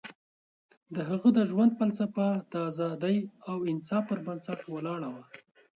د هغه د ژوند فلسفه د ازادۍ او انصاف پر بنسټ ولاړه وه.